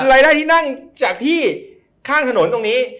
รายได้ที่นั่งจากที่ข้างถนนตรงนี้